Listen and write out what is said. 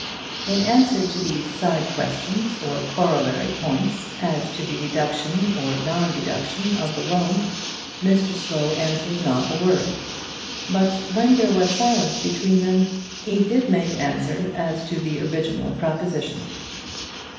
In answer to these side questions or corollary points as to the deduction or non deduction of the loan, Mr Slow answered not a word; but when there was silence between them, he did make answer as to the original proposition.